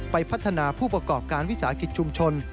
พัฒนาผู้ประกอบการวิสาหกิจชุมชน